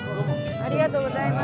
ありがとうございます。